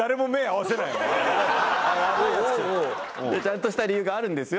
ちゃんと理由があるんですよ